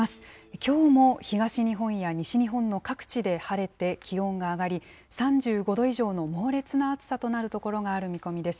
きょうも東日本や西日本の各地で晴れて、気温が上がり、３５度以上の猛烈な暑さとなる所がある見込みです。